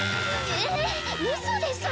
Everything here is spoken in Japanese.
えぇウソでしょ！？